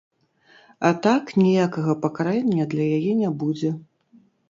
А так ніякага пакарання для яе не будзе.